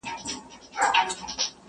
o د زمري غار بې هډوکو نه وي٫